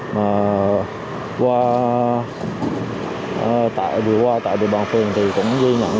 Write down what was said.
và qua tại địa bàn phường thì cũng ghi nhận chưa có trường hợp nào không chấp hành cách ly y tế tại nhà